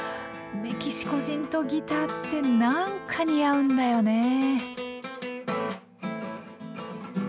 メキシコ人とギターって何か似合うんだよね。